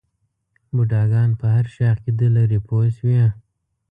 بوډاګان په هر شي عقیده لري پوه شوې!.